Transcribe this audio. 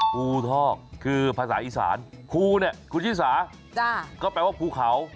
ภูทอกคือภาษาอีสานภูเนี่ยคุณชิสาก็แปลว่าภูเขา